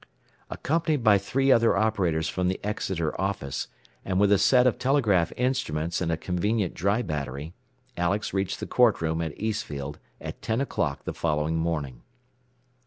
Accompanied by three other operators from the Exeter office, and with a set of telegraph instruments and a convenient dry battery, Alex reached the court room at Eastfield at 10 o'clock the following morning.